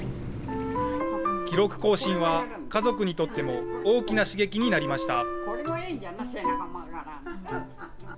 記録更新は家族にとっても大きな刺激になりました。